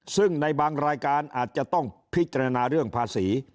ซึ่งในบางรายการอาจจะต้องพิจารณาเรื่องภาษี